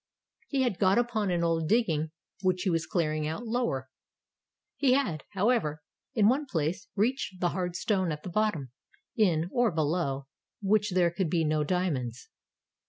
He had got upon an old digging which he was clearing out lower. He had, however, in one place reached the hard stone at the bottom, in, or below which there could be no diam.onds.